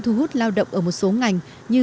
thu hút lao động ở một số ngành như